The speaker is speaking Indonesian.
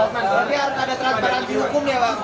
biar tidak terhadap anggaran di hukum ya bang